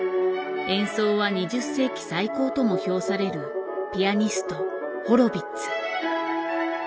演奏は２０世紀最高とも評されるピアニストホロヴィッツ。